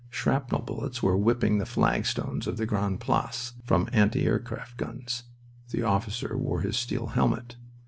Shrapnel bullets were whipping the flagstones of the Grande Place, from anti aircraft guns. The officer wore his steel helmet.